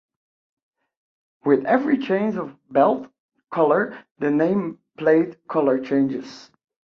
With every change of belt color the name plate color changes.